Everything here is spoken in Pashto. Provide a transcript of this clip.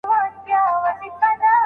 املا د ژبي په ګرامر پوهېدو کي مرسته کوي.